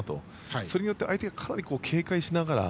それによって、相手がかなり警戒しているなと。